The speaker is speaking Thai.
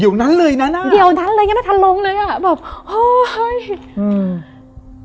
เดี๋ยวนั้นเลยนะอ่ะเดี๋ยวนั้นเลยยังไม่ทันลงเลยอ่ะแบบเฮ้ยอืม